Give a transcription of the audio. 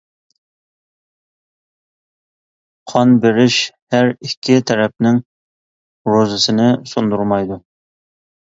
قان بېرىش ھەر ئىككى تەرەپنىڭ روزىسىنى سۇندۇرمايدۇ.